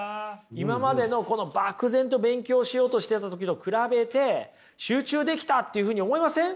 今までの漠然と勉強しようとしてた時と比べて集中できたっていうふうに思いません？